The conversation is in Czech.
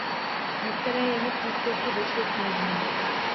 Některé jeho příspěvky vyšly knižně.